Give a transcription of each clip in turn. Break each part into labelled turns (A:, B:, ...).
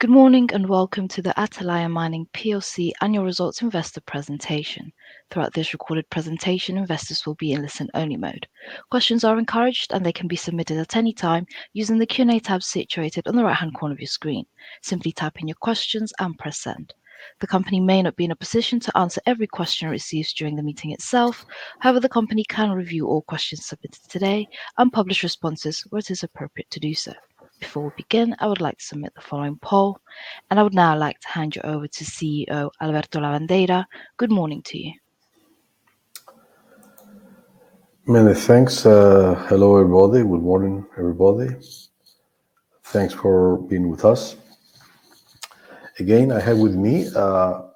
A: Good morning, and welcome to the Atalaya Mining PLC Annual Results Investor Presentation. Throughout this recorded presentation, investors will be in listen-only mode. Questions are encouraged, and they can be submitted at any time using the Q&A tab situated on the right-hand corner of your screen. Simply type in your questions and press Send. The company may not be in a position to answer every question received during the meeting itself. However, the company can review all questions submitted today and publish responses where it is appropriate to do so. Before we begin, I would like to submit the following poll, and I would now like to hand you over to CEO Alberto Lavandeira. Good morning to you.
B: Many thanks. Hello, everybody. Good morning, everybody. Thanks for being with us. Again, I have with me the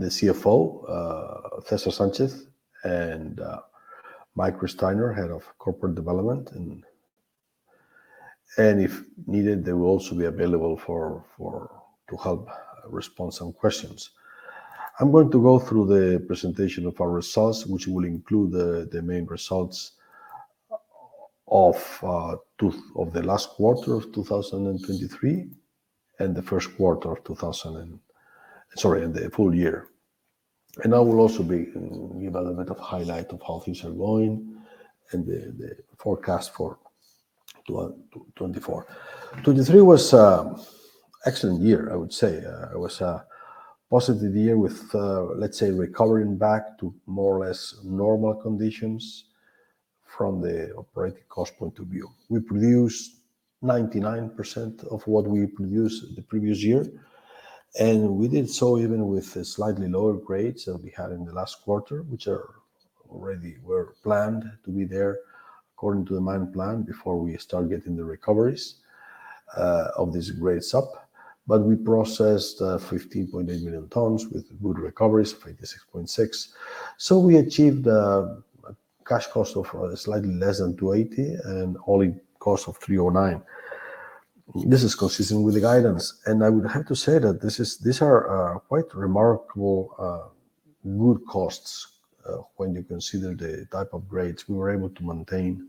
B: CFO, César Sánchez, and Mike Rechsteiner, Head of Corporate Development, and if needed, they will also be available to help respond some questions. I'm going to go through the presentation of our results, which will include the main results of the last quarter of 2023, and the first quarter of 2024. Sorry, and the full year. And I will also give a little bit of highlight of how things are going and the forecast for 2024. 2023 was excellent year, I would say. It was a positive year with, let's say, recovering back to more or less normal conditions from the operating cost point of view. We produced 99% of what we produced the previous year, and we did so even with the slightly lower grades that we had in the last quarter, which were planned to be there according to the mine plan before we start getting the recoveries of these grades up. But we processed 15.8 million tons with good recoveries, 56.6%. So we achieved cash cost of slightly less than $280 and all-in cost of $309. This is consistent with the guidance, and I would have to say that these are quite remarkable good costs when you consider the type of grades we were able to maintain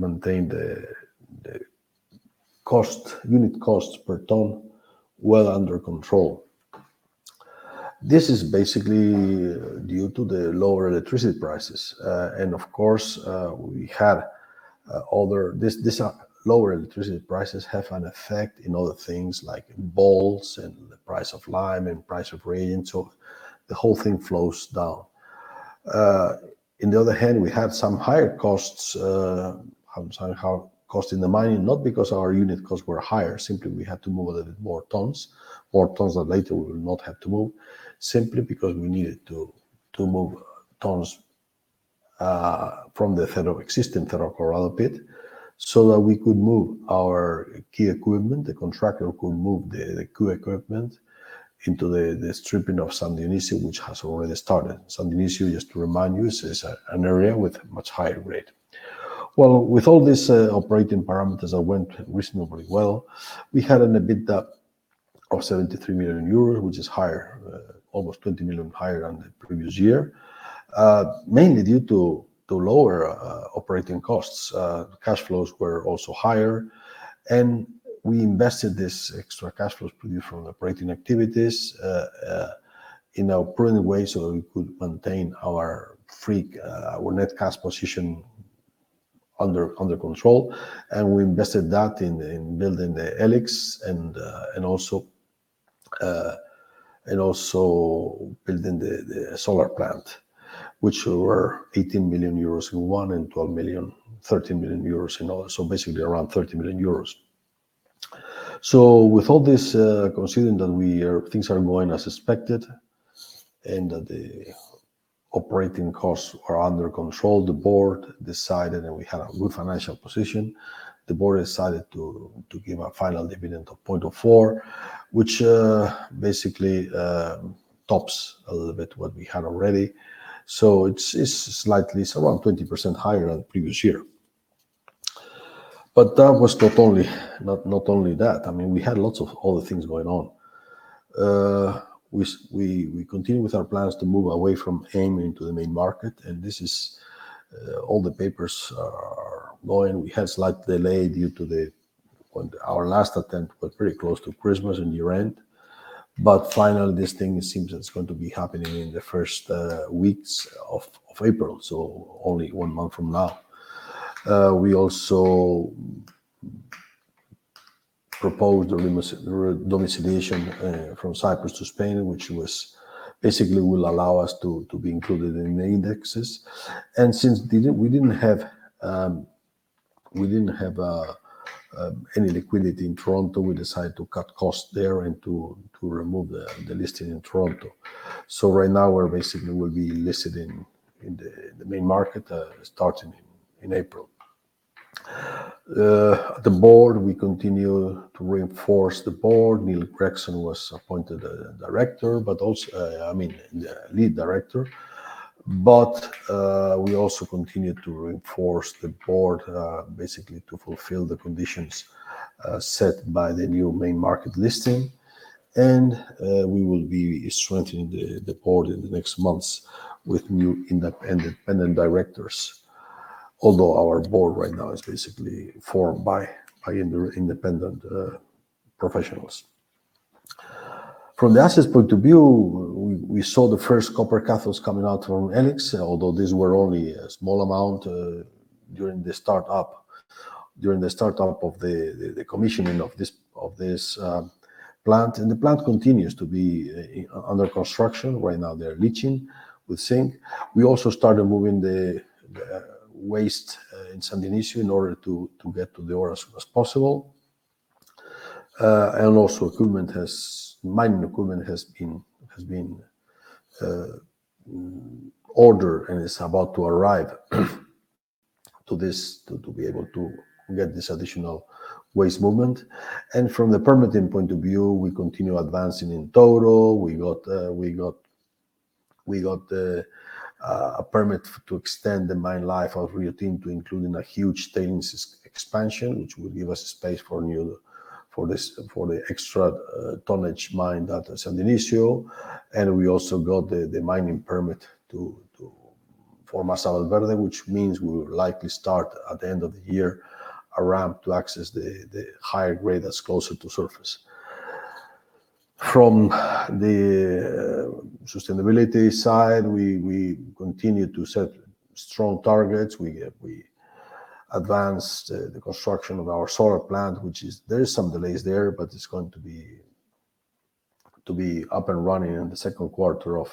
B: the unit costs per ton well under control. This is basically due to the lower electricity prices. And of course, we had other things. These lower electricity prices have an effect in other things like balls and the price of lime and price of reagent, so the whole thing flows down. In the other hand, we had some higher costs in the mining, not because our unit costs were higher, simply we had to move a little bit more tons, more tons that later we will not have to move, simply because we needed to move tons from the existing Cerro Colorado pit, so that we could move our key equipment. The contractor could move the key equipment into the stripping of San Dionisio, which has already started. San Dionisio, just to remind you, is an area with much higher grade. Well, with all these operating parameters that went reasonably well, we had an EBITDA of 73 million euros, which is higher, almost 20 million higher than the previous year, mainly due to lower operating costs. Cash flows were also higher, and we invested this extra cash flows produced from operating activities in a prudent way, so we could maintain our net cash position under control, and we invested that in building the E-LIX and also building the solar plant, which were 18 million euros in one and 12 million, 13 million euros in all. So basically, around 30 million euros. So with all this, considering that things are going as expected and that the operating costs are under control, the board decided... We had a good financial position. The board decided to give a final dividend of $0.04, which basically tops a little bit what we had already. So it's slightly, it's around 20% higher than the previous year. But that was not only, not only that, I mean, we had lots of other things going on. We continued with our plans to move away from AIM into the main market, and this is, all the papers are going. We had a slight delay due to when our last attempt was pretty close to Christmas and year-end. But finally, this thing seems it's going to be happening in the first weeks of April, so only one month from now. We also proposed a domiciliation from Cyprus to Spain, which was basically will allow us to be included in the indexes. And since we didn't have any liquidity in, we decided to cut costs there and to remove the listing in Toronto. So right now, we're basically will be listed in the main market starting in April. We continue to reinforce the board. Neil Gregson was appointed a director, but also, I mean, the lead director. We also continued to reinforce the board basically to fulfill the conditions set by the new main market listing. We will be strengthening the board in the next months with new independent directors. Although our board right now is basically formed by independent professionals. From the assets point of view, we saw the first copper cathodes coming out from E-LIX, although these were only a small amount during the start-up of the commissioning of this plant. And the plant continues to be under construction. Right now, they're leaching with zinc. We also started moving the waste in San Dionisio in order to get to the ore as possible. And also mining equipment has been ordered and is about to arrive to be able to get this additional waste movement. And from the permitting point of view, we continue advancing in Touro. We got a permit to extend the mine life of Riotinto, including a huge tailings expansion, which will give us space for new for this for the extra tonnage mine at San Dionisio. And we also got the mining permit for Masa Valverde, which means we will likely start at the end of the year a ramp to access the higher grade that's closer to surface. From the sustainability side, we continue to set strong targets. We advanced the construction of our solar plant, which is there is some delays there, but it's going to be up and running in the second quarter of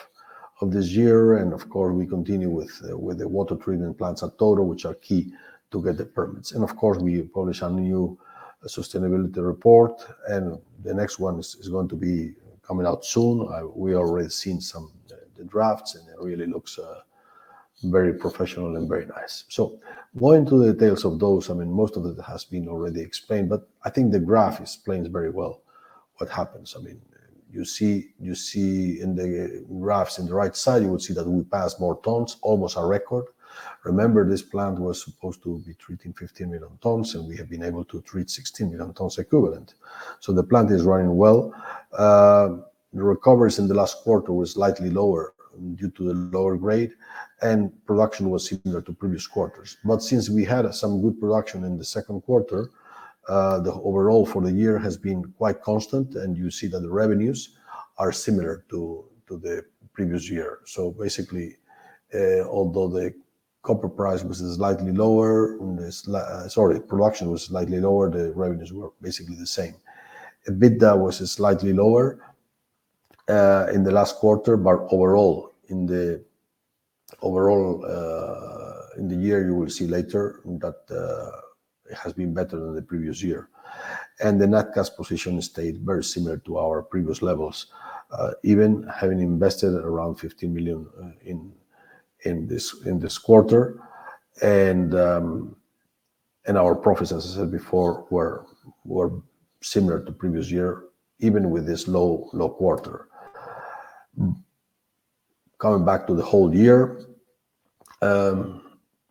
B: this year. And of course, we continue with the water treatment plants at Touro, which are key to get the permits. Of course, we publish a new sustainability report, and the next one is going to be coming out soon. We already seen some, the drafts, and it really looks very professional and very nice. So going into the details of those, I mean, most of it has been already explained, but I think the graph explains very well what happens. I mean, you see, you see in the graphs in the right side, you will see that we passed more tons, almost a record. Remember, this plant was supposed to be treating 15 million tons, and we have been able to treat 16 million tons equivalent. So the plant is running well. The recoveries in the last quarter was slightly lower due to the lower grade, and production was similar to previous quarters. But since we had some good production in the second quarter, the overall for the year has been quite constant, and you see that the revenues are similar to, to the previous year. So basically, although the copper price was slightly lower, sorry, production was slightly lower, the revenues were basically the same. EBITDA was slightly lower in the last quarter, but overall, in the year, you will see later that it has been better than the previous year. And the net cash position stayed very similar to our previous levels, even having invested around $15 million in this quarter. And our profits, as I said before, were similar to previous year, even with this low quarter. Mm. Coming back to the whole year,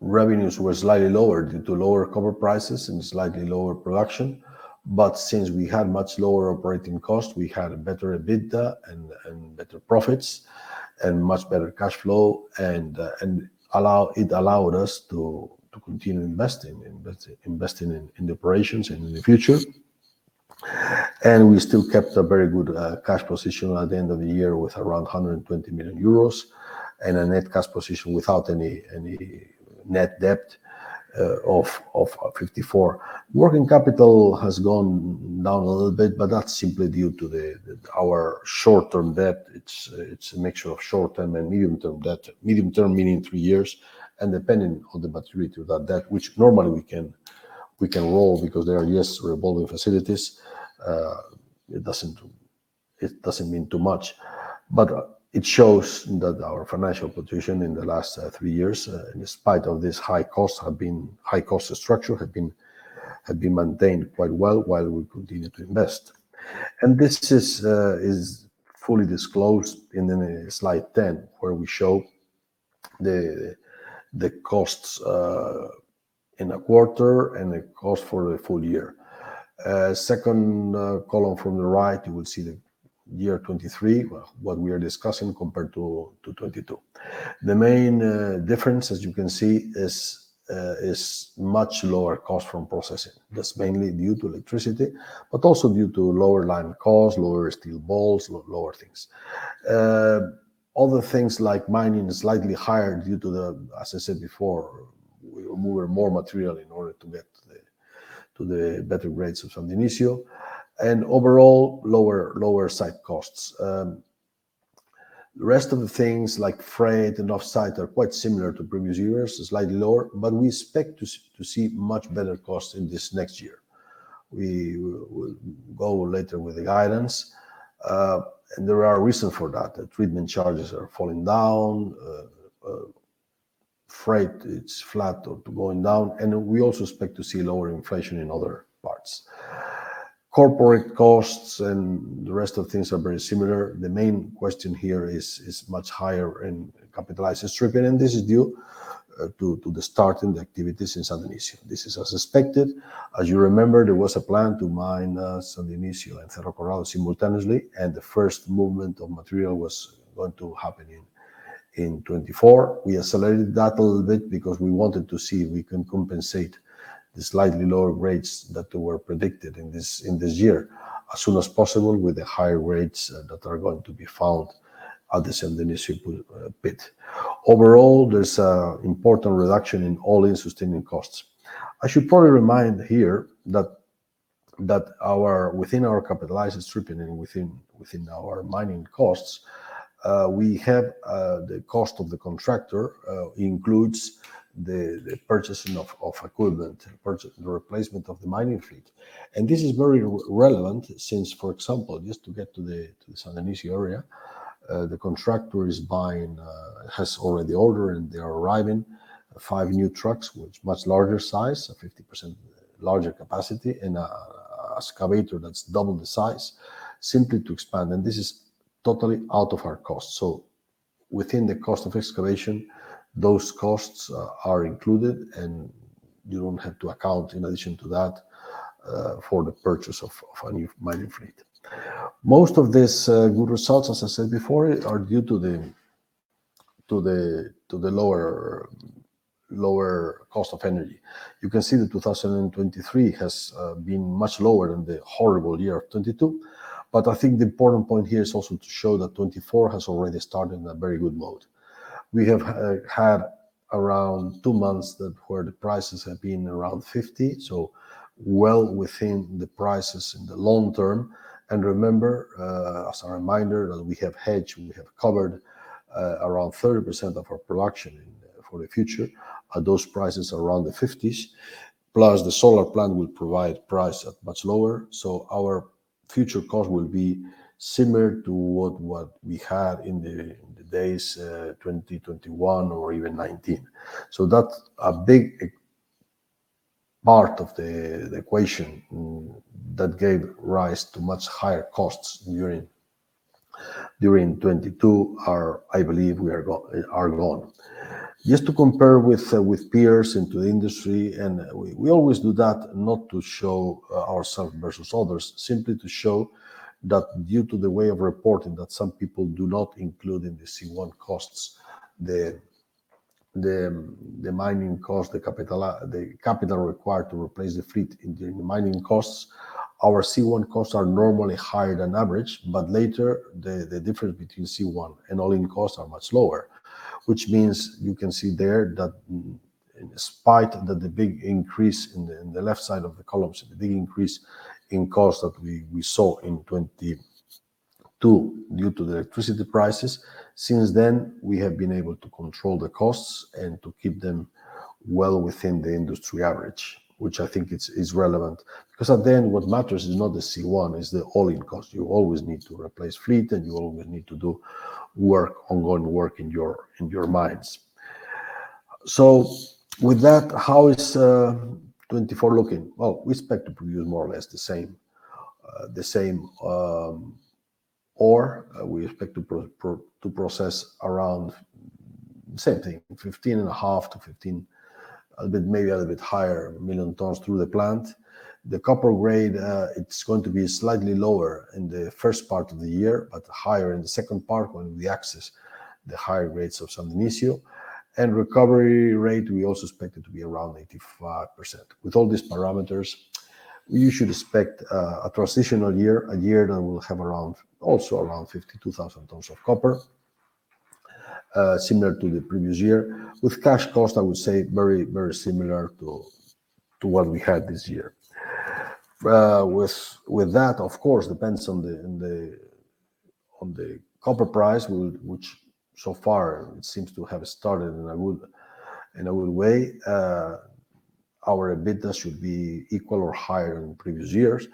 B: revenues were slightly lower due to lower copper prices and slightly lower production. But since we had much lower operating costs, we had better EBITDA and better profits, and much better cash flow, and it allowed us to continue investing in the operations and in the future. And we still kept a very good cash position at the end of the year with around 120 million euros, and a net cash position without any net debt of 54 million. Working capital has gone down a little bit, but that's simply due to our short-term debt. It's a mixture of short-term and medium-term debt term, meaning three years, and depending on the maturity of that debt, which normally we can roll, because they are, yes, revolving facilities. It doesn't, it doesn't mean too much, but it shows that our financial position in the last three years, in spite of this high costs, have been—high cost structure, have been maintained quite well while we continue to invest. And this is fully disclosed in slide 10, where we show the costs in a quarter and the cost for a full year. Second column from the right, you will see the year 2023, well, what we are discussing compared to 2022. The main difference, as you can see, is much lower cost from processing. That's mainly due to electricity, but also due to lower lime costs, lower steel balls, lower things. Other things like mining is slightly higher due to the, as I said before, we move more material in order to get the, to the better grades of San Dionisio, and overall, lower site costs. The rest of the things like freight and off-site are quite similar to previous years, slightly lower, but we expect to see much better costs in this next year. We will go later with the guidance. And there are reasons for that. The treatment charges are falling down. Freight, it's flat or going down, and we also expect to see lower inflation in other parts... corporate costs and the rest of things are very similar. The main question here is much higher in capitalized stripping, and this is due to the start in the activities in San Dionisio. This is as expected. As you remember, there was a plan to mine San Dionisio and Cerro Colorado simultaneously, and the first movement of material was going to happen in 2024. We accelerated that a little bit because we wanted to see if we can compensate the slightly lower grades that were predicted in this year, as soon as possible, with the higher grades that are going to be found at the San Dionisio pit. Overall, there's a important reduction in All-in Sustaining Costs. I should probably remind here that our within our capitalized stripping and within our mining costs, we have the cost of the contractor includes the purchasing of equipment and the replacement of the mining fleet. And this is very relevant since, for example, just to get to the San Dionisio area, the contractor is buying has already ordered, and they are arriving, 5 new trucks, with much larger size, a 50% larger capacity, and a an excavator that's double the size, simply to expand. And this is totally out of our cost. So within the cost of excavation, those costs are included, and you don't have to account in addition to that for the purchase of a new mining fleet. Most of these good results, as I said before, are due to the lower cost of energy. You can see that 2023 has been much lower than the horrible year of 2022. But I think the important point here is also to show that 2024 has already started in a very good mode. We have had around 2 months where the prices have been around 50, so well within the prices in the long term. And remember, as a reminder, that we have hedged, we have covered around 30% of our production for the future, at those prices around the fifties, plus the solar plant will provide price at much lower. So our future cost will be similar to what we had in the days 2020, 2021, or even 2019. So that's a big part of the equation that gave rise to much higher costs during 2022. I believe we are good to go. Just to compare with peers in the industry, and we always do that, not to show ourselves versus others, simply to show that due to the way of reporting, that some people do not include in the C1 costs the mining cost, the capital required to replace the fleet in the mining costs. Our C1 costs are normally higher than average, but later the difference between C1 and all-in costs are much lower. Which means you can see there that in spite of the big increase in the left side of the columns, the big increase in cost that we saw in 2022 due to the electricity prices, since then, we have been able to control the costs and to keep them well within the industry average, which I think is relevant. Because at the end, what matters is not the C1, it's the all-in cost. You always need to replace fleet, and you always need to do work, ongoing work in your mines. So with that, how is 2024 looking? Well, we expect to produce more or less the same, the same, ore. We expect to process around, same thing, 15.5 to 15, a bit, maybe a little bit higher, million tons through the plant. The copper grade, it's going to be slightly lower in the first part of the year, but higher in the second part, when we access the higher grades of San Dionisio. Recovery rate, we also expect it to be around 85%. With all these parameters, we should expect a transitional year, a year that will have around, also around 52,000 tons of copper, similar to the previous year. With cash cost, I would say very, very similar to what we had this year. With that, of course, depends on the copper price, which so far it seems to have started in a good way. Our EBITDA should be equal or higher than previous years.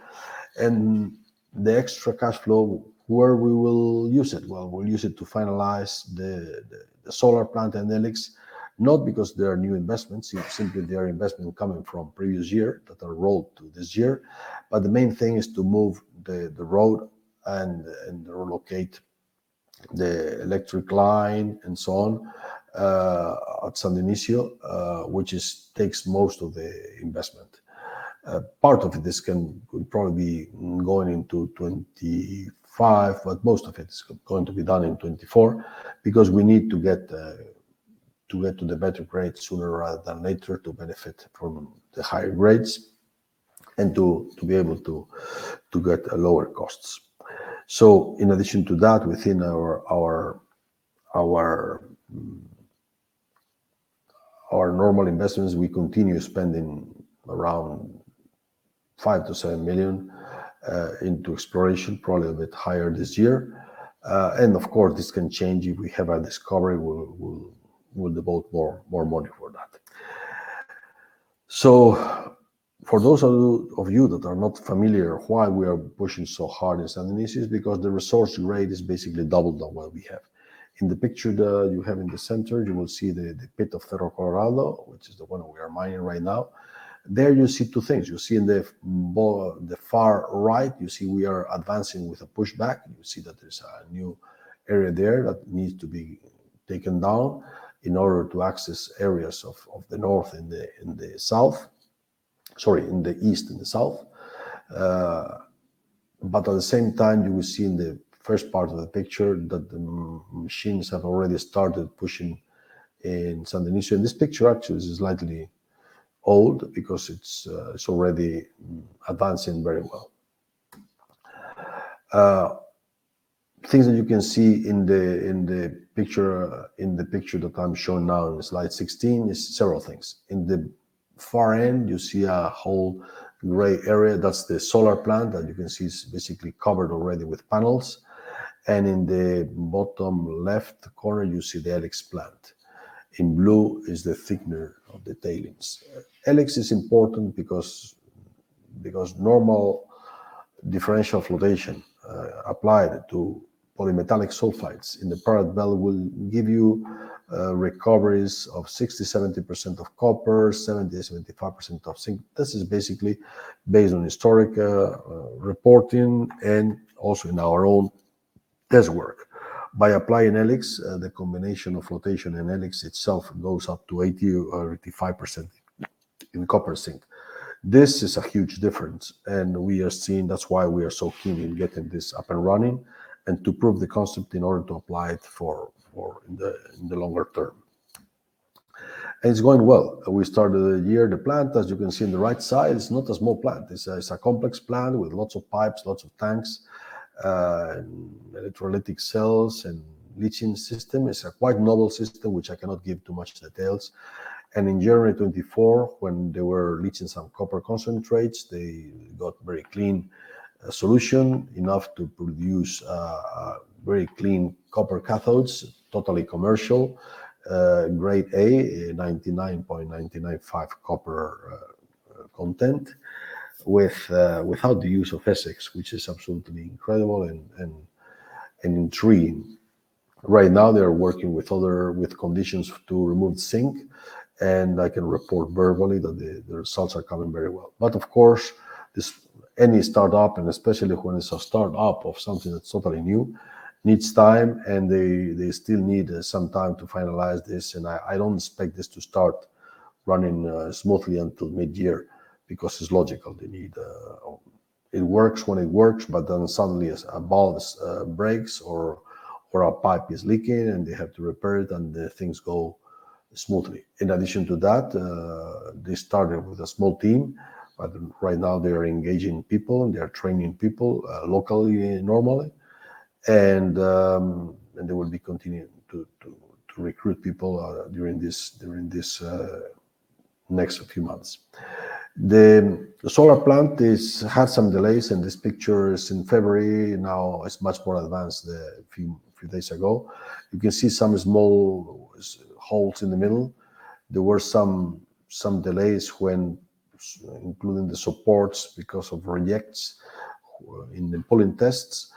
B: The extra cash flow, where we will use it? Well, we'll use it to finalize the solar plant and the E-LIX, not because they are new investments, it's simply they are investments coming from previous year that are rolled to this year. But the main thing is to move the road and relocate the electric line and so on at San Dionisio, which takes most of the investment. Part of this will probably be going into 2025, but most of it is going to be done in 2024, because we need to get to the better grades sooner rather than later, to benefit from the higher grades and to be able to get lower costs. So in addition to that, within our normal investments, we continue spending around $5 million-$7 million into exploration, probably a bit higher this year. And of course, this can change. If we have a discovery, we will, we'll devote more, more money for that. So for those of you, of you that are not familiar, why we are pushing so hard in San Dionisio, is because the resource grade is basically double than what we have. In the picture that you have in the center, you will see the pit of Cerro Colorado, which is the one we are mining right now. There you see two things. You see in the far right, you see we are advancing with a pushback, and you see that there's a new area there that needs to be taken down in order to access areas of the north and the south. Sorry, in the east and the south. But at the same time, you will see in the first part of the picture that the machines have already started pushing in San Dionisio. And this picture actually is slightly old, because it's already advancing very well. Things that you can see in the picture that I'm showing now in slide 16 is several things. In the far end, you see a whole gray area, that's the solar plant, and you can see it's basically covered already with panels. And in the bottom left corner, you see the E-LIX plant. In blue is the thickness of the tailings. E-LIX is important because normal differential flotation applied to polymetallic sulfides in the pyrite belt will give you recoveries of 60%-70% of copper, 70%-75% of zinc. This is basically based on historic reporting and also in our own test work. By applying E-LIX, the combination of flotation and E-LIX itself goes up to 80 or 85% in copper, zinc. This is a huge difference, and we are seeing. That's why we are so keen in getting this up and running, and to prove the concept in order to apply it for the longer term. It's going well. We started the year, the plant, as you can see on the right side, it's not a small plant. It's a, it's a complex plant with lots of pipes, lots of tanks, and electrolytic cells and leaching system. It's a quite novel system, which I cannot give too much details. And in January 2024, when they were leaching some copper concentrates, they got very clean solution, enough to produce very clean copper cathodes, totally commercial grade A, 99.995 copper content, without the use of SX, which is absolutely incredible and, and, and intriguing. Right now, they are working with other-- with conditions to remove zinc, and I can report verbally that the results are coming very well. But of course, this-- any start-up, and especially when it's a start-up of something that's totally new, needs time, and they still need some time to finalize this, and I don't expect this to start running smoothly until mid-year, because it's logical. They need... It works when it works, but then suddenly a bulb breaks, or a pipe is leaking, and they have to repair it, and things go smoothly. In addition to that, they started with a small team, but right now they are engaging people, they are training people locally and normally, and they will be continuing to recruit people during this next few months. The solar plant had some delays, and this picture is in February. Now, it's much more advanced a few days ago. You can see some small holes in the middle. There were some delays, including the supports, because of rejects in the pulling tests.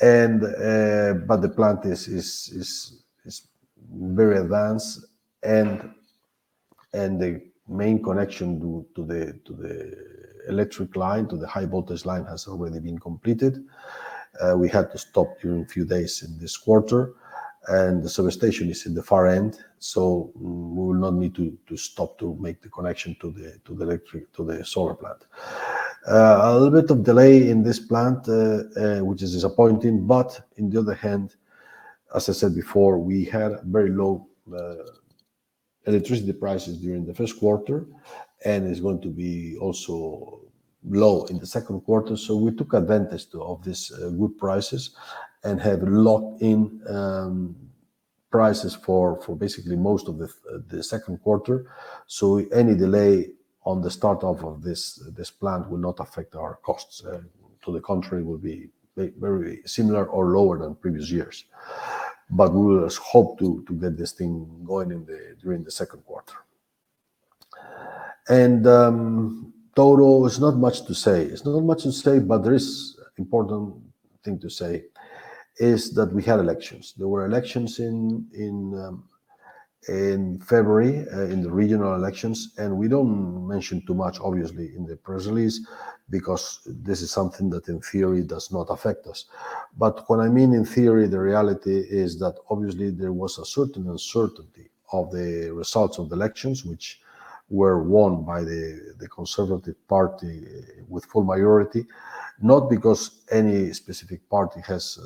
B: But the plant is very advanced, and the main connection to the electric line, to the high voltage line, has already been completed. We had to stop during a few days in this quarter, and the substation is in the far end, so we will not need to stop to make the connection to the solar plant. A little bit of delay in this plant, which is disappointing, but on the other hand, as I said before, we had very low electricity prices during the first quarter, and it's going to be also low in the second quarter. So we took advantage of this good prices, and have locked in prices for basically most of the second quarter. So any delay on the start-up of this plant will not affect our costs. To the contrary, will be very similar or lower than previous years. But we will hope to get this thing going during the second quarter. Total, there's not much to say. There's not much to say, but there is important thing to say, is that we had elections. There were elections in February in the regional elections, and we don't mention too much, obviously, in the press release, because this is something that, in theory, does not affect us. But what I mean in theory, the reality is that obviously, there was a certain uncertainty of the results of the elections, which were won by the Conservative Party with full majority. Not because any specific party has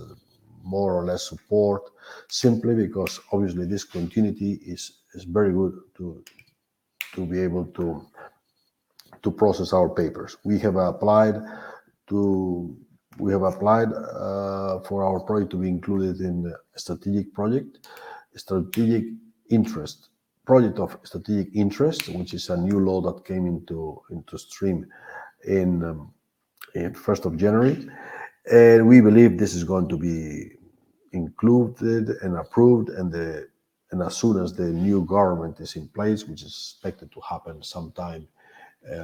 B: more or less support, simply because obviously, this continuity is very good to be able to process our papers. We have applied for our project to be included in a Project of Strategic Interest, which is a new law that came into stream in first of January. And we believe this is going to be included and approved, and as soon as the new government is in place, which is expected to happen sometime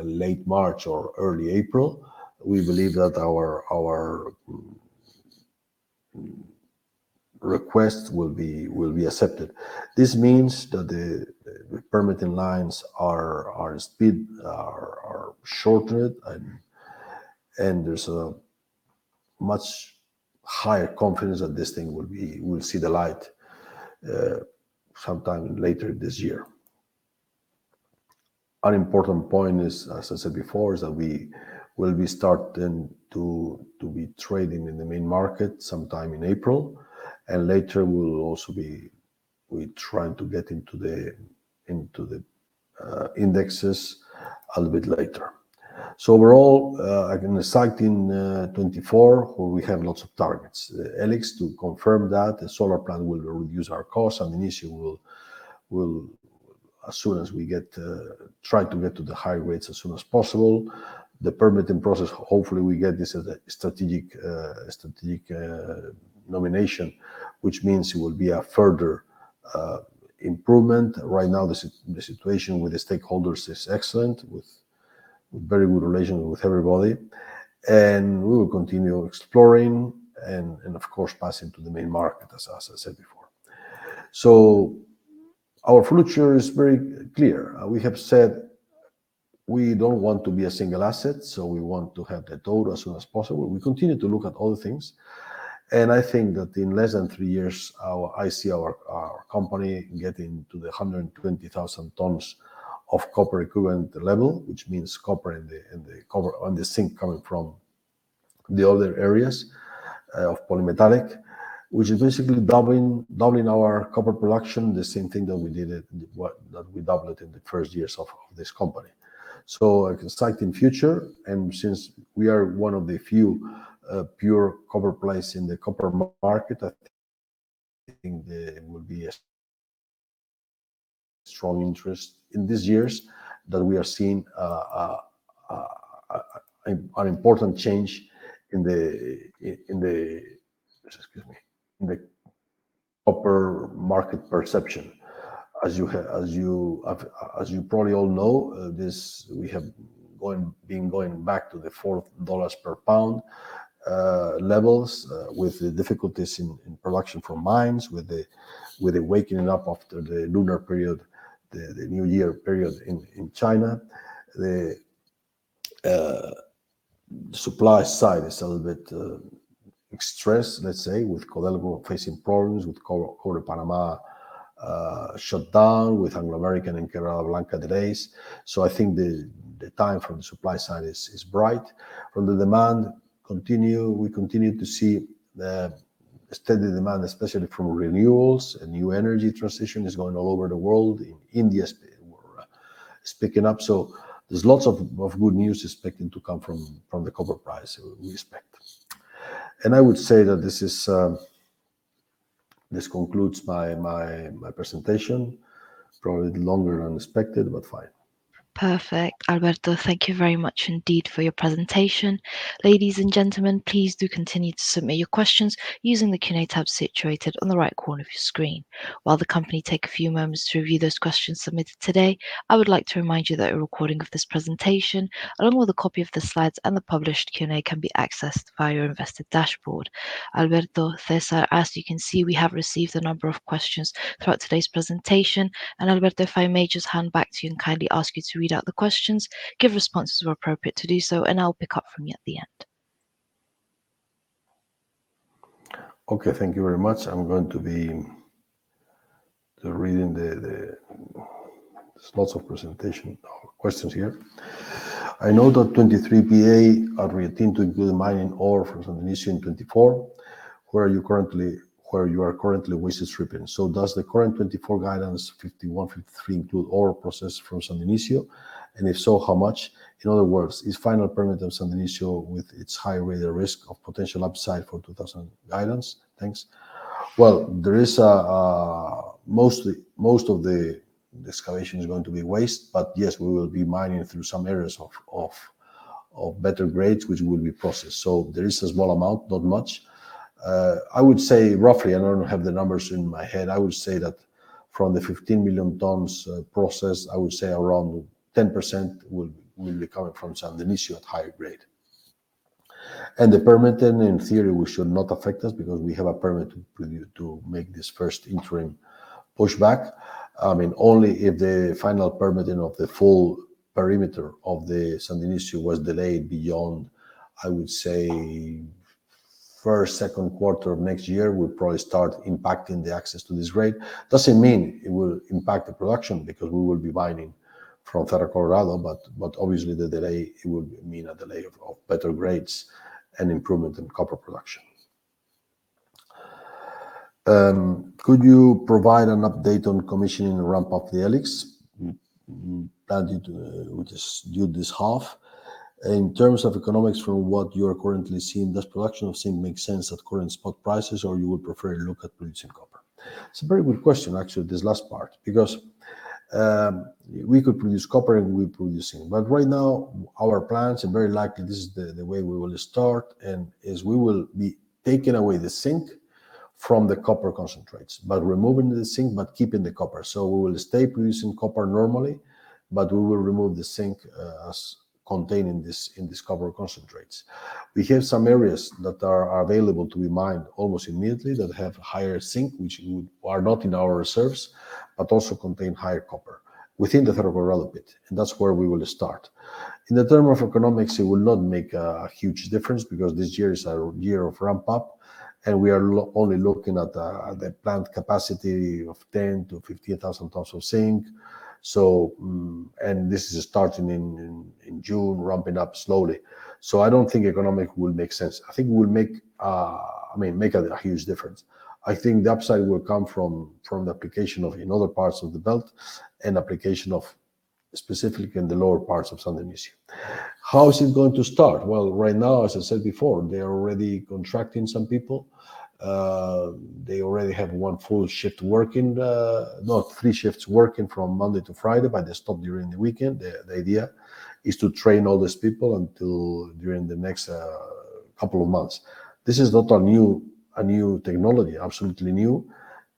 B: late March or early April, we believe that our request will be accepted. This means that the permitting lines are sped and shortened, and there's a much higher confidence that this thing will see the light sometime later this year. An important point is, as I said before, is that we will be starting to, to be trading in the main market sometime in April, and later we'll also be—we're trying to get into the, into the, indexes a little bit later. So overall, again, exciting, 2024, where we have lots of targets. E-LIX, to confirm that the solar plant will reduce our costs, and initially we'll, we'll, as soon as we get, try to get to the high rates as soon as possible. The permitting process, hopefully we get this as a strategic, strategic, nomination, which means it will be a further, improvement. Right now, the situation with the stakeholders is excellent, with very good relations with everybody, and we will continue exploring and, of course, passing to the main market, as I said before. So our future is very clear. We have said we don't want to be a single asset, so we want to have the total as soon as possible. We continue to look at other things, and I think that in less than three years, I see our company getting to the 120,000 tons of copper equivalent level, which means copper and the copper and the zinc coming from the other areas of polymetallic, which is basically doubling our copper production, the same thing that we did, that we doubled it in the first years of this company. So an exciting future, and since we are one of the few pure copper plays in the copper market, I think there will be a strong interest in these years that we are seeing an important change in the, excuse me, in the copper market perception. As you have, as you probably all know, we have been going back to the $4 per pound levels with the difficulties in production from mines, with the waking up after the lunar period, the New Year period in China. The supply side is a little bit stressed, let's say, with Codelco facing problems, with Cobre Panamá shut down, with Anglo American in Los Bronces delays. So I think the time from the supply side is bright. From the demand continue, we continue to see the steady demand, especially from renewals and new energy transition is going all over the world. In India, it's picking up. So there's lots of good news expecting to come from the copper price, we expect. And I would say that this is... This concludes my presentation. Probably longer than expected, but fine.
A: Perfect. Alberto, thank you very much indeed for your presentation. Ladies and gentlemen, please do continue to submit your questions using the Q&A tab situated on the right corner of your screen. While the company take a few moments to review those questions submitted today, I would like to remind you that a recording of this presentation, along with a copy of the slides and the published Q&A, can be accessed via your investor dashboard. Alberto, César, as you can see, we have received a number of questions throughout today's presentation, and Alberto, if I may just hand back to you and kindly ask you to read out the questions, give responses where appropriate to do so, and I'll pick up from you at the end.
B: Okay, thank you very much. I'm going to be reading the... There's lots of presentation questions here. I know that 2023 PEA are retained to include mining ore from San Dionisio in 2024. Where you are currently waste stripping. So does the current 2024 guidance, 51, 53, include ore processed from San Dionisio? And if so, how much? In other words, is final permit of San Dionisio with its high rate of risk of potential upside for 2000 guidance? Thanks. Well, there is mostly, most of the excavation is going to be waste, but yes, we will be mining through some areas of better grades, which will be processed. So there is a small amount, not much. I would say roughly, I don't have the numbers in my head, I would say that from the 15 million tons process, I would say around 10% will be coming from San Dionisio at higher grade. And the permitting, in theory, we should not affect us because we have a permit to make this first interim pushback. I mean, only if the final permitting of the full perimeter of the San Dionisio was delayed beyond, I would say, first, second quarter of next year, will probably start impacting the access to this grade. Doesn't mean it will impact the production, because we will be mining from Cerro Colorado, but obviously, the delay, it would mean a delay of better grades and improvement in copper production. Could you provide an update on commissioning the ramp up the E-LIX, which is due this half? In terms of economics, from what you are currently seeing, does production of zinc make sense at current spot prices, or you would prefer to look at producing copper? It's a very good question, actually, this last part, because we could produce copper, and we produce zinc. But right now, our plans, and very likely this is the, the way we will start, and is we will be taking away the zinc from the copper concentrates, but removing the zinc, but keeping the copper. So we will stay producing copper normally, but we will remove the zinc, as contained in this, in these copper concentrates. We have some areas that are available to be mined almost immediately that have higher zinc, which are not in our reserves, but also contain higher copper within the tailings relevant, and that's where we will start. In terms of economics, it will not make a huge difference because this year is our year of ramp up, and we are only looking at the plant capacity of 10,000-15,000 tons of zinc. And this is starting in June, ramping up slowly. So I don't think economics will make sense. I think it will make, I mean, a huge difference. I think the upside will come from the application in other parts of the belt and application specifically in the lower parts of San Dionisio. How is it going to start? Well, right now, as I said before, they are already contracting some people. They already have one full shift working, not three shifts, working from Monday to Friday, but they stop during the weekend. The idea is to train all these people until during the next couple of months. This is not a new technology, absolutely new,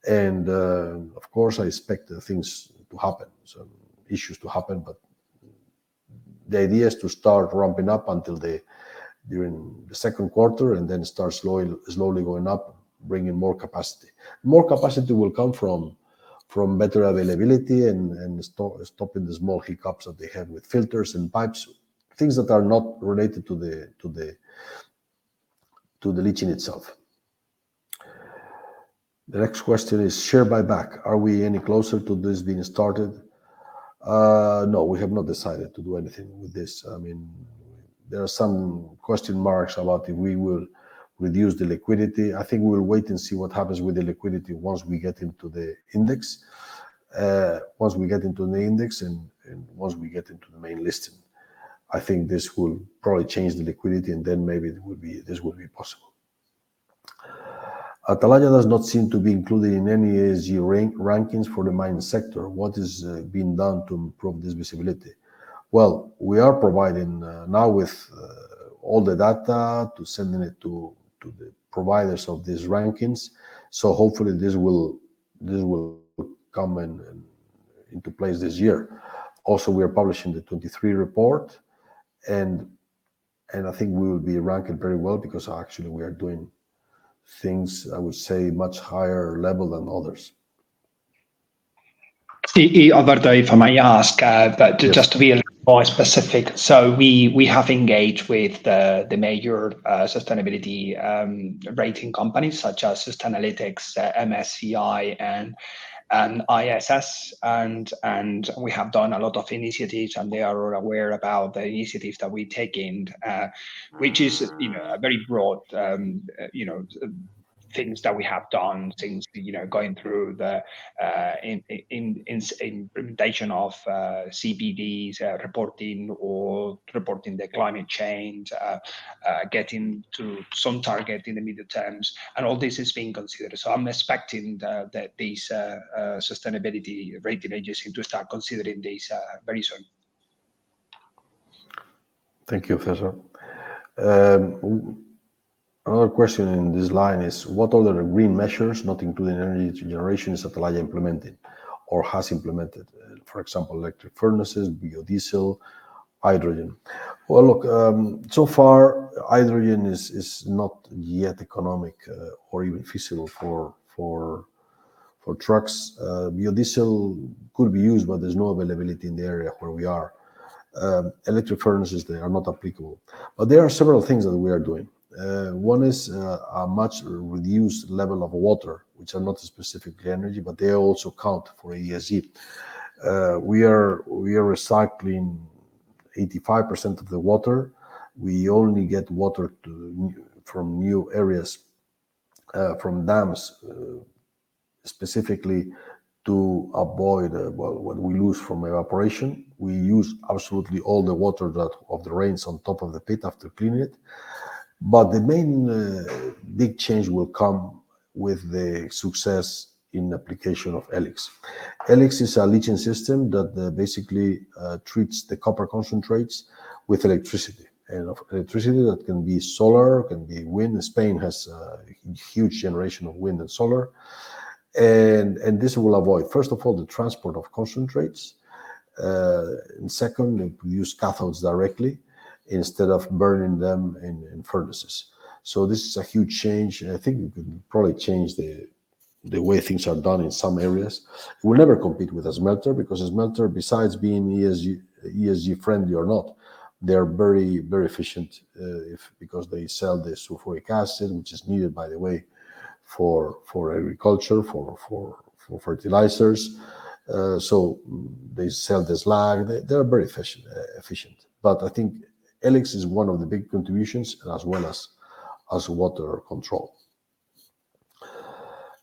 B: and of course, I expect things to happen, some issues to happen, but the idea is to start ramping up during the second quarter and then start slowly going up, bringing more capacity. More capacity will come from better availability and stopping the small hiccups that they had with filters and pipes, things that are not related to the leaching itself. The next question is share buyback. Are we any closer to this being started? No, we have not decided to do anything with this. I mean, there are some question marks about if we will reduce the liquidity. I think we will wait and see what happens with the liquidity once we get into the index. Once we get into the index and once we get into the main listing, I think this will probably change the liquidity, and then maybe it will be... this will be possible. Atalaya does not seem to be included in any ESG rankings for the mining sector. What is being done to improve this visibility? Well, we are providing now with all the data, sending it to the providers of these rankings. So hopefully this will come into place this year. Also, we are publishing the 23 report, and I think we will be ranked very well because actually we are doing things, I would say, much higher level than others.
C: The other day, if I may ask,
B: Yes...
C: but just to be a little more specific, so we have engaged with the major sustainability rating companies such as Sustainalytics, MSCI, and ISS, and we have done a lot of initiatives, and they are all aware about the initiatives that we taken, which is, you know, a very broad, you know, things that we have done, things, you know, going through the implementation of SDGs reporting or reporting the climate change, getting to some target in the middle terms, and all this is being considered. So I'm expecting that these sustainability rating agencies to start considering this very soon.
B: Thank you, César. Another question in this line is: What other green measures, not including energy generation, is Atalaya implemented or has implemented? For example, electric furnaces, biodiesel, hydrogen. Well, look, so far, hydrogen is not yet economic, or even feasible for trucks. Biodiesel could be used, but there's no availability in the area where we are. Electric furnaces, they are not applicable. But there are several things that we are doing. One is a much reduced level of water, which are not specifically energy, but they also count for ESG. We are recycling 85% of the water. We only get water from new areas, from dams, specifically to avoid what we lose from evaporation. We use absolutely all the water that of the rains on top of the pit after cleaning it. But the main, big change will come with the success in application of E-LIX. E-LIX is a leaching system that, basically, treats the copper concentrates with electricity. And of electricity, that can be solar, it can be wind. Spain has a huge generation of wind and solar, and this will avoid, first of all, the transport of concentrates, and second, we use cathodes directly instead of burning them in furnaces. So this is a huge change, and I think we can probably change the way things are done in some areas. We'll never compete with a smelter, because a smelter, besides being ESG, ESG friendly or not, they're very, very efficient, because they sell the sulfuric acid, which is needed, by the way, for fertilizers. So they sell the slag. They're very efficient, efficient. But I think E-LIX is one of the big contributions as well as water control.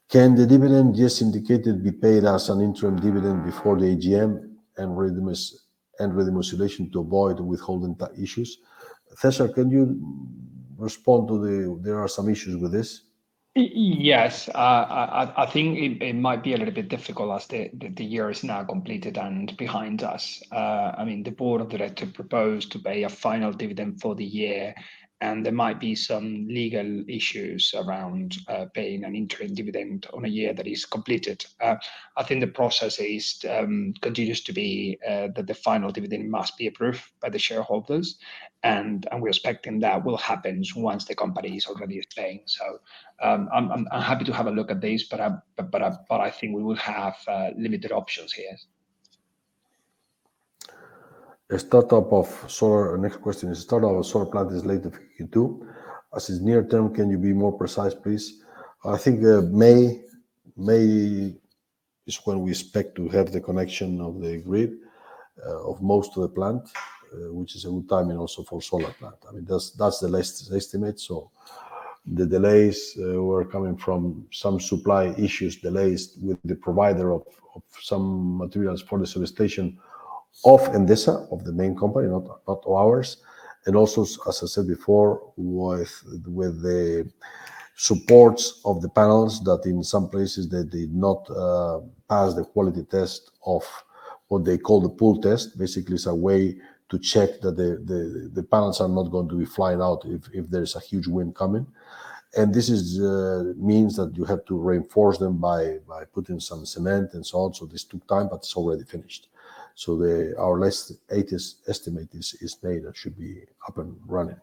B: Can the dividend just indicated be paid as an interim dividend before the AGM and redomiciliation to avoid withholding tax issues? César, can you respond to the... There are some issues with this.
C: Yes. I think it might be a little bit difficult as the year is now completed and behind us. I mean, the board of directors proposed to pay a final dividend for the year, and there might be some legal issues around paying an interim dividend on a year that is completed. I think the process continues to be that the final dividend must be approved by the shareholders, and we're expecting that will happen once the company is already paying. So, I'm happy to have a look at this, but I think we will have limited options here.
B: ...A start-up of solar. Next question, the start of our solar plant is late 2022. As is near term, can you be more precise, please? I think, May, May is when we expect to have the connection of the grid, of most of the plant, which is a good timing also for solar plant. I mean, that's the last estimate. So the delays were coming from some supply issues, delays with the provider of some materials for the substation of Endesa, of the main company, not ours. And also, as I said before, with the supports of the panels, that in some places they did not pass the quality test of what they call the pull test. Basically, it's a way to check that the panels are not going to be flying out if there's a huge wind coming. And this means that you have to reinforce them by putting some cement and so on. So this took time, but it's already finished. So our latest estimate is May, that should be up and running.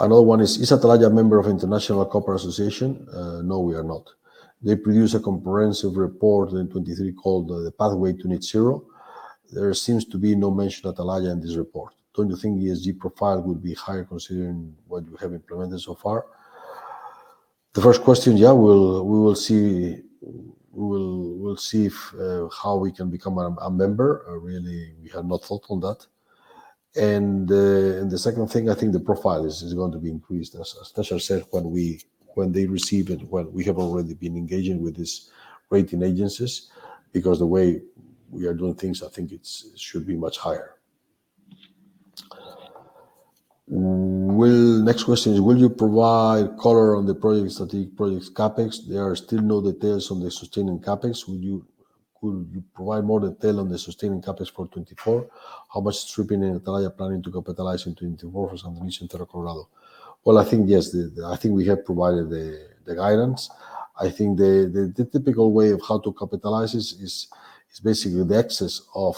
B: Another one is: Is Atalaya a member of International Copper Association? No, we are not. They produce a comprehensive report in 2023 called the Pathway to Net Zero. There seems to be no mention of Atalaya in this report. Don't you think ESG profile would be higher considering what you have implemented so far? The first question, yeah, we'll see. We'll see if we can become a member. Really, we have not thought on that. And the second thing, I think the profile is going to be increased, as César said, when they receive it. Well, we have already been engaging with these rating agencies, because the way we are doing things, I think it should be much higher. Will... Next question is: Will you provide color on the projects, strategic projects, CapEx? There are still no details on the sustaining CapEx. Will you- could you provide more detail on the sustaining CapEx for 2024? How much stripping in Atalaya are planning to capitalize in between the San Dionisio and the San Ricardo? Well, I think, yes, the, I think we have provided the guidance. I think the typical way of how to capitalize this is basically the excess of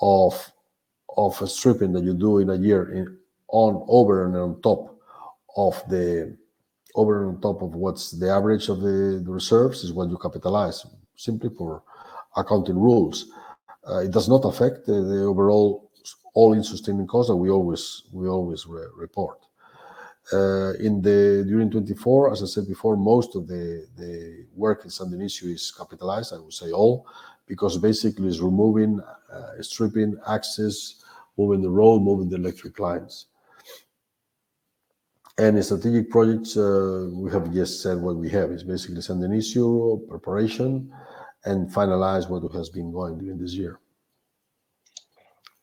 B: a stripping that you do in a year, over and on top of what's the average of the reserves, is what you capitalize, simply for accounting rules. It does not affect the overall all-in sustaining cost that we always report. During 2024, as I said before, most of the work in San Dionisio is capitalized. I would say all, because basically it's removing stripping excess, moving the road, moving the electric lines. Any strategic projects we have just said what we have. It's basically San Dionisio preparation and finalize what has been going during this year.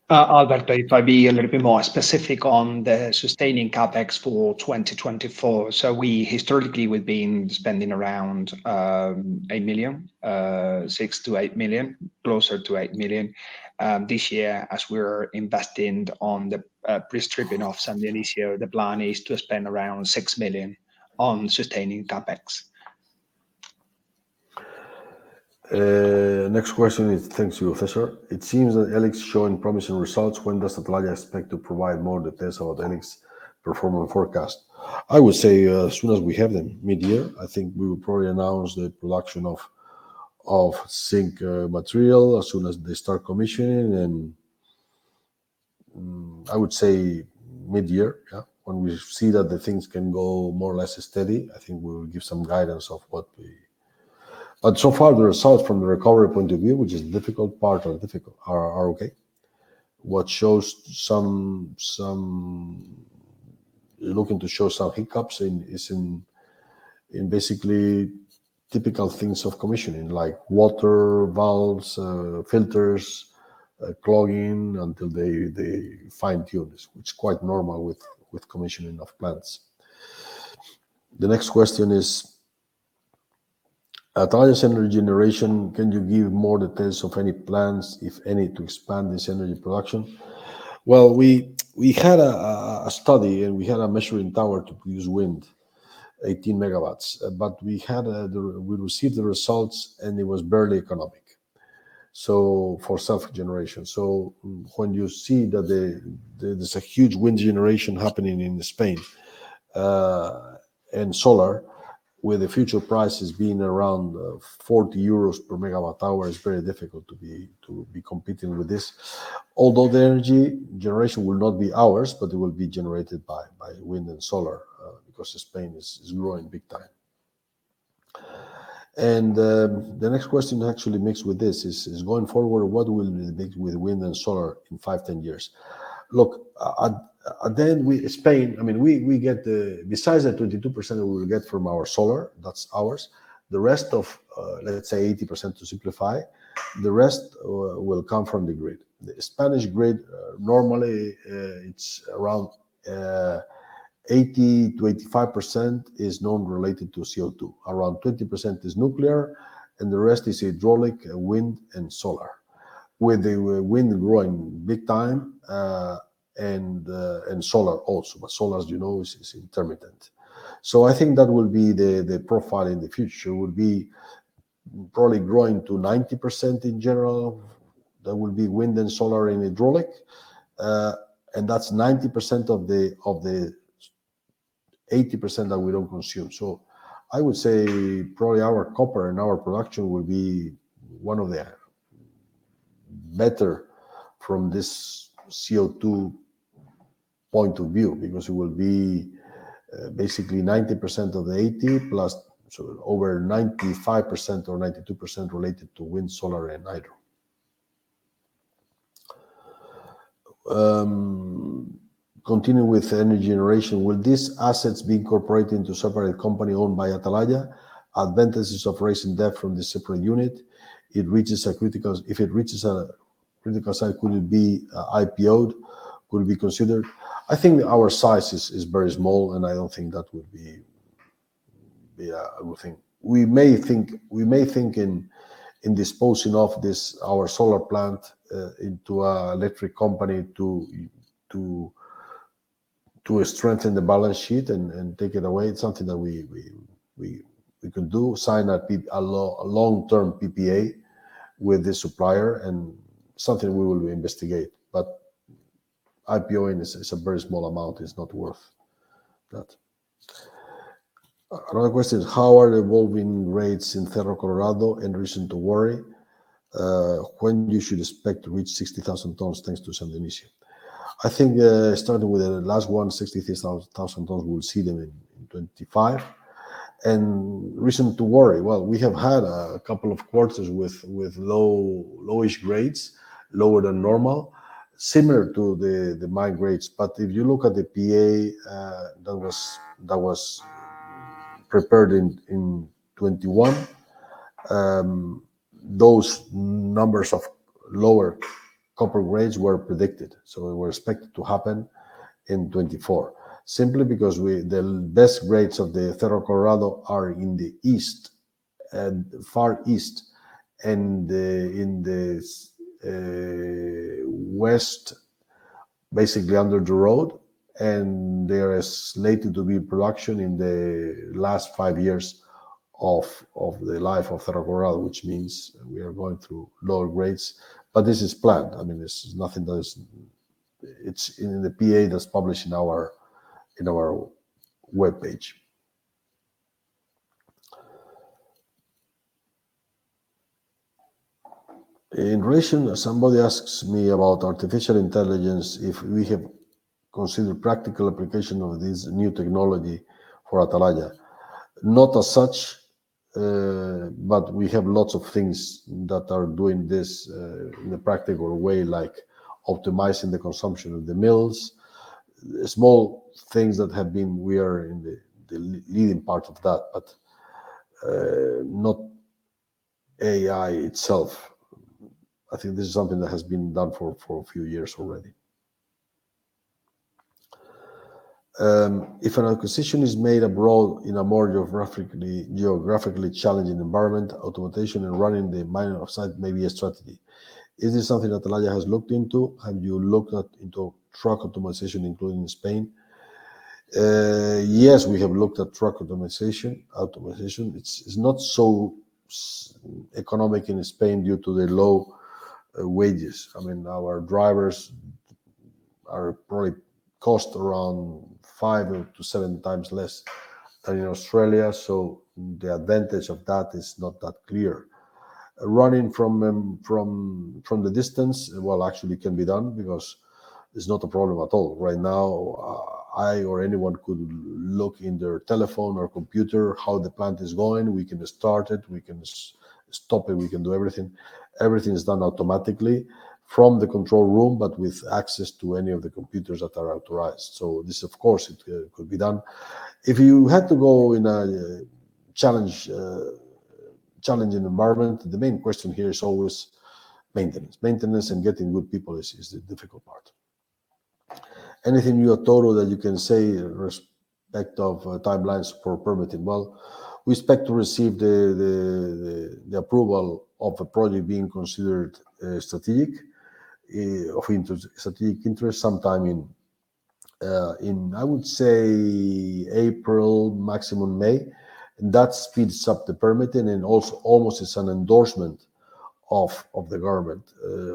C: Alberto, if I be a little bit more specific on the sustaining CapEx for 2024. So we historically, we've been spending around $8 million, $6 million-$8 million, closer to $8 million. This year, as we're investing on the pre-stripping of San Dionisio, the plan is to spend around $6 million on sustaining CapEx.
B: Next question is... Thanks to you, César. It seems that E-LIX is showing promising results. When does Atalaya expect to provide more details about E-LIX performance forecast? I would say, as soon as we have them, mid-year, I think we will probably announce the production of zinc material as soon as they start commissioning. I would say mid-year, yeah. When we see that the things can go more or less steady, I think we will give some guidance of what we... But so far, the results from the recovery point of view, which is difficult, part of difficult, are okay. What shows some hiccups is in basically typical things of commissioning, like water, valves, filters, clogging, until they fine-tune this, which is quite normal with commissioning of plants. The next question is, Atalaya's energy generation, can you give more details of any plans, if any, to expand this energy production? Well, we had a study, and we had a measuring tower to produce wind, 18 MW. But we had... We received the results, and it was barely economic, so for self-generation. So when you see that the there's a huge wind generation happening in Spain, and solar, with the future prices being around, 40 euros per MWh, it's very difficult to be competing with this. Although the energy generation will not be ours, but it will be generated by wind and solar, because Spain is growing big time. And the next question actually mixed with this is: Going forward, what will we be doing with wind and solar in five, 10 years? Look, at the end, we in Spain, I mean, we get besides the 22% that we will get from our solar, that's ours, the rest of, let's say 80% to simplify, the rest will come from the grid. The Spanish grid, normally, it's around 80%-85% is non-related to CO2. Around 20% is nuclear, and the rest is hydraulic, wind, and solar, with the wind growing big time, and solar also. But solar, as you know, is intermittent. So I think that will be the profile in the future, will be probably growing to 90% in general. That will be wind and solar and hydraulic, and that's 90% of the 80% that we don't consume. So I would say, probably our copper and our production will be one of the better from this CO2 point of view, because it will be basically 90% of the 80, plus so over 95% or 92% related to wind, solar, and hydro. Continue with energy generation. Will these assets be incorporated into separate company owned by Atalaya? Advantages of raising debt from the separate unit, it reaches a critical size, if it reaches a critical size, could it be IPO'd? Could it be considered? I think our size is very small, and I don't think that would be, I would think. We may think, we may think in disposing of this, our solar plant into a electric company to strengthen the balance sheet and take it away. It's something that we can do, sign a long-term PPA with the supplier, and something we will investigate. But IPO-ing is a very small amount, it's not worth that. Another question: How are grades evolving in Cerro Colorado and reason to worry? When you should expect to reach 60,000 tonnes thanks to San Dionisio? I think, starting with the last one, 63,000 tonnes, we will see them in 2025. And reason to worry? Well, we have had a couple of quarters with lowish grades, lower than normal, similar to the mine grades. But if you look at the PA that was prepared in 2021, those numbers of lower copper grades were predicted, so they were expected to happen in 2024. Simply because we the best grades of the Cerro Colorado are in the east, and far east, and in the west, basically under the road, and they are slated to be in production in the last five years of the life of Cerro Colorado, which means we are going through lower grades. But this is planned, I mean, this is nothing that is... It's in the PA that's published in our webpage. In relation, somebody asks me about artificial intelligence, if we have considered practical application of this new technology for Atalaya. Not as such, but we have lots of things that are doing this in a practical way, like optimizing the consumption of the mills. Small things that have been... We are in the leading part of that, but not AI itself. I think this is something that has been done for a few years already. If an acquisition is made abroad in a more geographically challenging environment, automation and running the mine offsite may be a strategy. Is this something Atalaya has looked into? Have you looked into truck optimization, including Spain? Yes, we have looked at truck optimization, automation. It's not so economic in Spain due to the low wages. I mean, our drivers probably cost around 5-7 times less than in Australia, so the advantage of that is not that clear. Running from the distance, well, actually can be done because it's not a problem at all. Right now, I or anyone could look in their telephone or computer how the plant is going. We can start it, we can stop it, we can do everything. Everything is done automatically from the control room, but with access to any of the computers that are authorized. So this, of course, it could be done. If you had to go in a challenging environment, the main question here is always maintenance. Maintenance and getting good people is the difficult part. Anything new at Touro that you can say in respect of timelines for permitting? Well, we expect to receive the approval of a project being considered strategic interest sometime in, I would say, April, maximum May. And that speeds up the permitting, and also almost is an endorsement of the government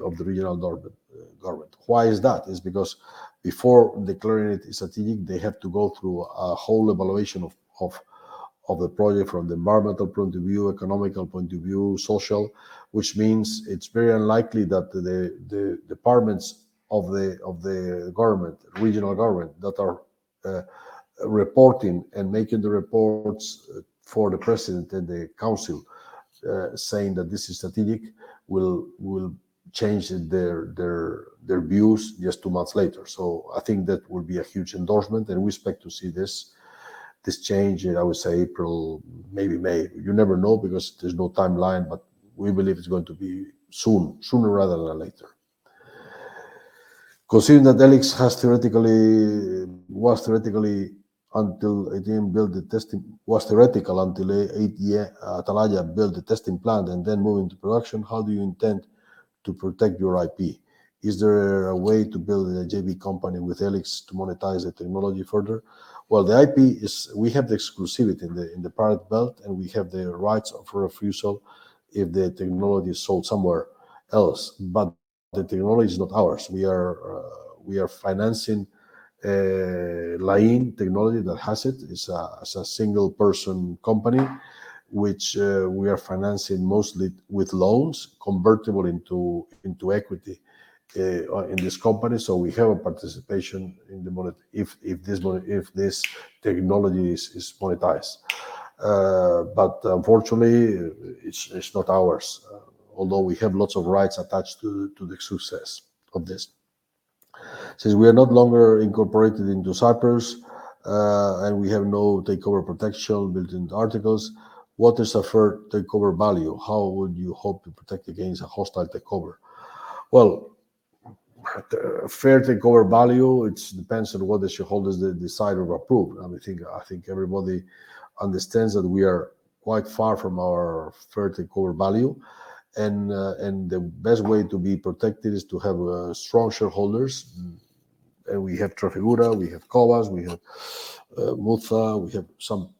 B: of the regional government, government. Why is that? It's because before declaring it strategic, they have to go through a whole evaluation of the project from the environmental point of view, economic point of view, social. Which means it's very unlikely that the departments of the government, regional government, that are reporting and making the reports for the president and the council saying that this is strategic, will change their views just two months later. So I think that will be a huge endorsement, and we expect to see this change in, I would say, April, maybe May. You never know because there's no timeline, but we believe it's going to be soon, sooner rather than later. Considering that E-LIX has theoretically... was theoretical until Atalaya built the testing plant and then moved into production, how do you intend to protect your IP? Is there a way to build a JV company with E-LIX to monetize the technology further? Well, the IP is... We have the exclusivity in the, in the pyrite belt, and we have the rights of refusal if the technology is sold somewhere else, but the technology is not ours. We are financing Lain Technologies that has it. It's a single-person company, which we are financing mostly with loans convertible into equity in this company. So we have a participation in the monetization if this technology is monetized. But unfortunately, it's not ours, although we have lots of rights attached to the success of this. "Since we are no longer incorporated in Cyprus, and we have no takeover protection built into the articles, what is a fair takeover value? How would you hope to protect against a hostile takeover?" Well, a fair takeover value, it depends on what the shareholders they decide or approve. And I think everybody understands that we are quite far from our fair takeover value, and the best way to be protected is to have strong shareholders. Mm. And we have Trafigura, we have Cobas, we have Muza, we have some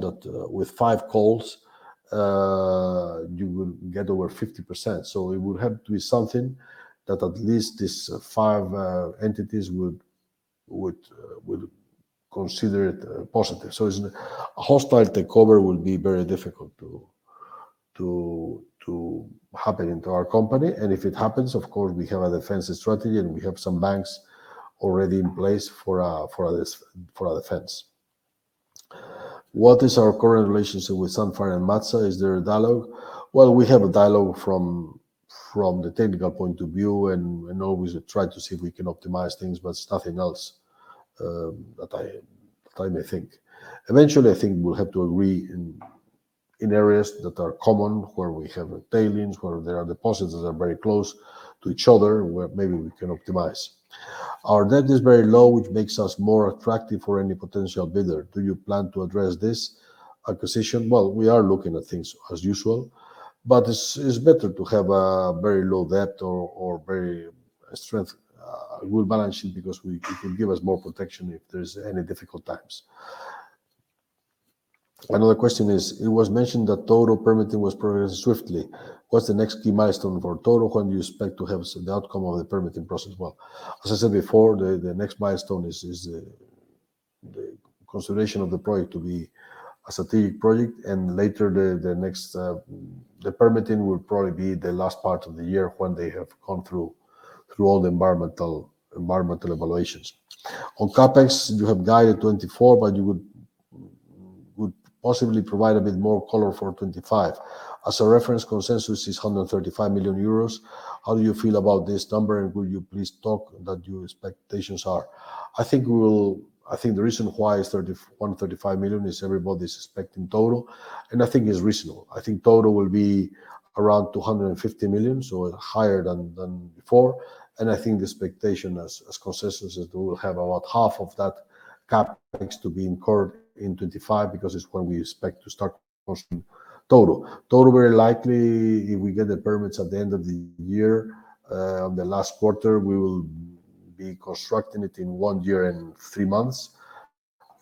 B: that with five calls you will get over 50%. So it would have to be something that at least these five entities would consider it positive. So it's a hostile takeover will be very difficult to happen into our company, and if it happens, of course, we have a defensive strategy, and we have some banks already in place for our defense. "What is our current relationship with Sandfire and MATSA? Is there a dialogue?" Well, we have a dialogue from the technical point of view, and always try to see if we can optimize things, but nothing else that I may think. Eventually, I think we'll have to agree in areas that are common, where we have tailings, where there are deposits that are very close to each other, where maybe we can optimize. Our debt is very low, which makes us more attractive for any potential bidder. Do you plan to address this acquisition?" Well, we are looking at things as usual, but it's better to have a very low debt or very strong good balance sheet, because it will give us more protection if there's any difficult times. Another question is: "It was mentioned that Touro permitting was progressing swiftly. What's the next key milestone for Touro? When do you expect to have the outcome of the permitting process?" Well, as I said before, the next milestone is the consideration of the project to be a strategic project, and later, the next, the permitting will probably be the last part of the year when they have gone through all the environmental evaluations. On CapEx, you have guided 2024, but you would possibly provide a bit more color for 2025. As a reference, consensus is 135 million euros. How do you feel about this number, and will you please talk what your expectations are?" I think we will... I think the reason why it's 31 million-35 million is everybody's expecting Touro, and I think it's reasonable. I think Touro will be around 250 million, so higher than before, and I think the expectation as consensus is we will have about half of that CapEx to be incurred in 2025 because it's when we expect to start processing Touro. Touro, very likely, if we get the permits at the end of the year, the last quarter, we will be constructing it in one year and three months.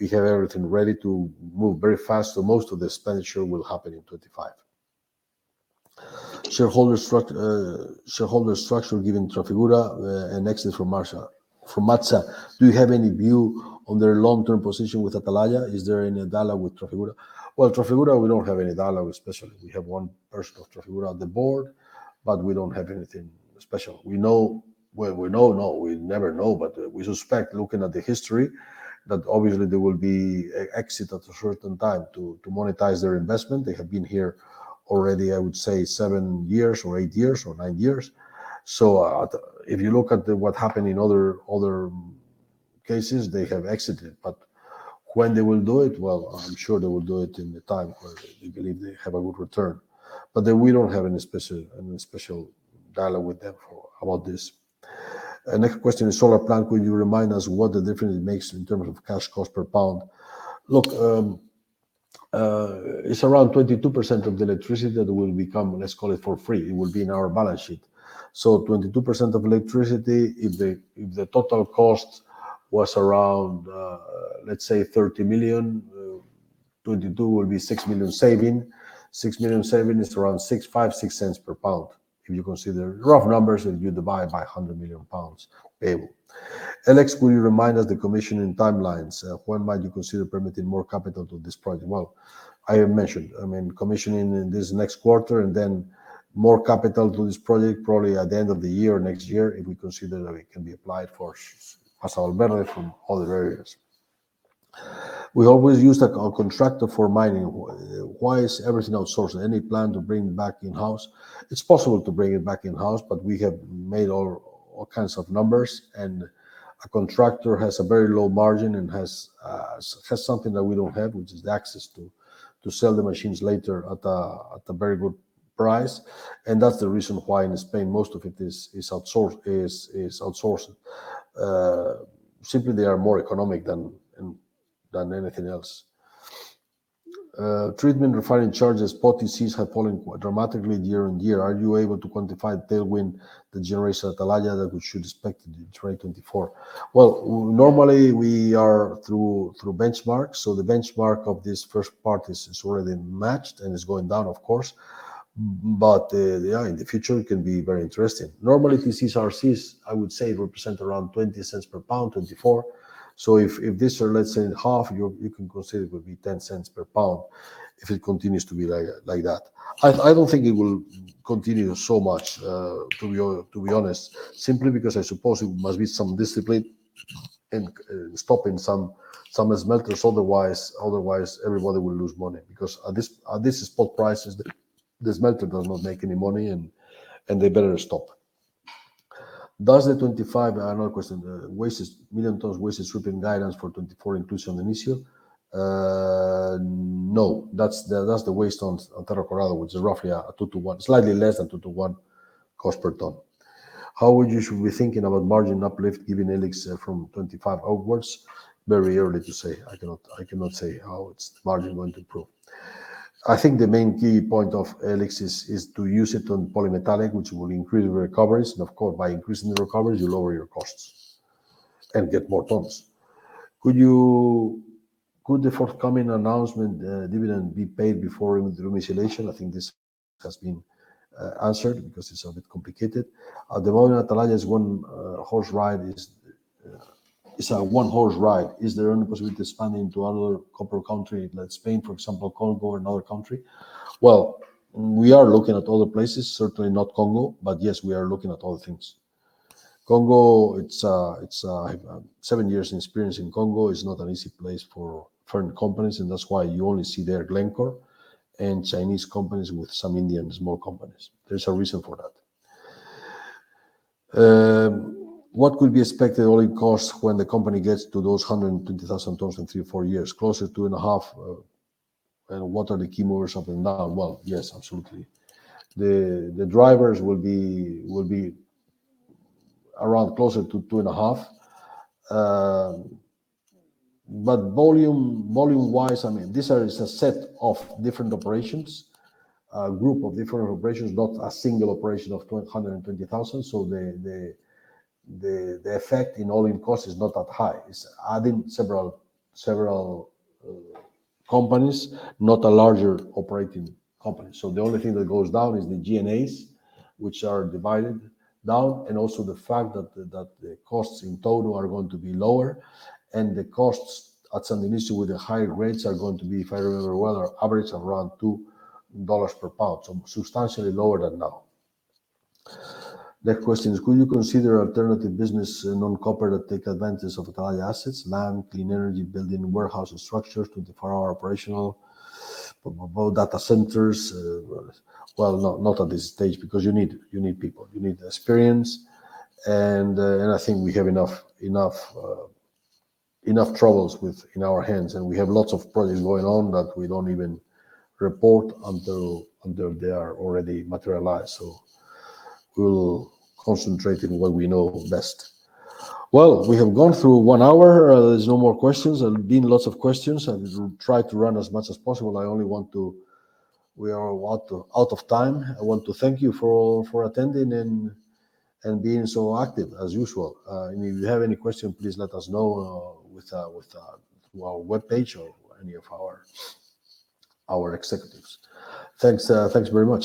B: We have everything ready to move very fast, so most of the expenditure will happen in 2025. "Shareholder structure, given Trafigura, an exit from Matsa, do you have any view on their long-term position with Atalaya? Is there any dialogue with Trafigura?" Well, Trafigura, we don't have any dialogue especially. We have one person of Trafigura on the board, but we don't have anything special. We know... Well, we know, we never know, but we suspect, looking at the history, that obviously there will be an exit at a certain time to monetize their investment. They have been here already, I would say, seven years or eight years or nine years. So, if you look at what happened in other cases, they have exited. But when they will do it, well, I'm sure they will do it in the time where they believe they have a good return. But then we don't have any special, any special dialogue with them for about this. Next question, "The solar plant, will you remind us what the difference it makes in terms of cash cost per pound?" Look, it's around 22% of the electricity that will become, let's call it, for free. It will be in our balance sheet. So 22% of electricity, if the total cost was around, let's say, $30 million, 22% will be $6 million saving. $6 million saving is around 5-6 cents per pound, if you consider rough numbers, and you divide by 100 million pounds payable. "LX, will you remind us the commissioning timelines? When might you consider permitting more capital to this project?" Well, I have mentioned, I mean, commissioning in this next quarter, and then more capital to this project, probably at the end of the year or next year, if we consider that it can be applied for as a benefit from other areas. "We always use a contractor for mining. Why is everything outsourced? Any plan to bring back in-house?" It's possible to bring it back in-house, but we have made all kinds of numbers, and a contractor has a very low margin and has something that we don't have, which is the access to sell the machines later at a very good price. And that's the reason why in Spain, most of it is outsourced. Simply, they are more economic than anything else. Treatment refining charges, spot indices have fallen dramatically year on year. Are you able to quantify the tailwind, the generation Atalaya, that we should expect in 2024?" Well, normally, we are through benchmarks, so the benchmark of this first part is already matched and is going down, of course. But, yeah, in the future, it can be very interesting. Normally, the TC/RCs, I would say, represent around $0.20 per pound, 2024. So if this are, let's say, half, you can consider it would be $0.10 per pound if it continues to be like that. I don't think it will continue so much, to be honest, simply because I suppose there must be some discipline in stopping some smelters. Otherwise, everybody will lose money, because at this spot prices, the smelter does not make any money, and they better stop. Does the 25 million tons waste stripping guidance for 2024 inclusion San Dionisio? No, that's the waste on Cerro Colorado, which is roughly a 2-to-1, slightly less than 2-to-1 cost per ton. Should we think about margin uplift, given LX from 25 outwards? Very early to say. I cannot say how its margin going to improve. I think the main key point of LX is to use it on polymetallic, which will increase the recoveries, and of course, by increasing the recoveries, you lower your costs and get more tons. Could the forthcoming announcement, dividend be paid before the remittance? I think this has been answered because it's a bit complicated. At the moment, Atalaya is one horse ride. It's a one-horse ride. Is there any possibility to expand into another copper country, like Spain, for example, Congo, or another country? Well, we are looking at other places, certainly not Congo, but yes, we are looking at other things. Congo, it's Seven years experience in Congo is not an easy place for foreign companies, and that's why you only see there Glencore and Chinese companies with some Indian small companies. There's a reason for that. What could be expected all-in costs when the company gets to those 120,000 tons in 3-4 years, closer to 2.5? And what are the key movers up and down? Well, yes, absolutely. The drivers will be around closer to 2.5. But volume-wise, I mean, this is a set of different operations, a group of different operations, not a single operation of 220,000. So the effect in all-in cost is not that high. It's adding several companies, not a larger operating company. So the only thing that goes down is the G&As, which are divided down, and also the fact that the costs in total are going to be lower, and the costs at San Dionisio, with the higher rates, are going to be, if I remember well, average around $2 per pound, so substantially lower than now. The question is: Could you consider alternative business in non-copper that take advantage of Atalaya assets, land, clean energy, building, warehouse, and structures, 24-hour operational, data centers? Well, not at this stage, because you need people, you need experience, and I think we have enough troubles within our hands, and we have lots of projects going on that we don't even report until they are already materialized. So we'll concentrate in what we know best. Well, we have gone through 1 hour. There's no more questions. There have been lots of questions. I've tried to run as much as possible. I only want to... We are out of time. I want to thank you for attending and being so active as usual. If you have any question, please let us know with our webpage or any of our executives. Thanks, thanks very much.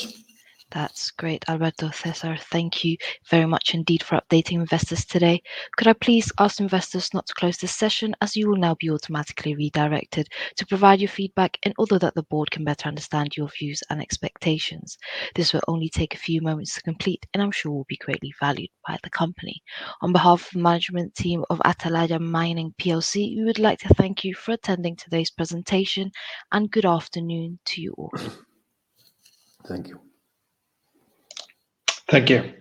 A: That's great, Alberto, César. Thank you very much indeed for updating investors today. Could I please ask investors not to close this session, as you will now be automatically redirected to provide your feedback and although that the board can better understand your views and expectations. This will only take a few moments to complete, and I'm sure will be greatly valued by the company. On behalf of the management team of Atalaya Mining PLC, we would like to thank you for attending today's presentation, and good afternoon to you all.
B: Thank you.
C: Thank you.